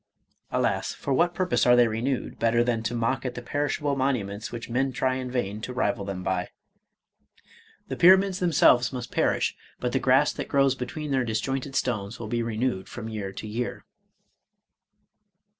— (Alas! for what purpose are they re newed, better than to mock at the perishable monuments which men try in vain to rival them by.) The pyra mids themselves must perish, but the grass that grows between their disjointed stones will be renewed from year to year.